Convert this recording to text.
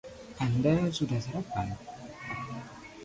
Anda sudah sarapan?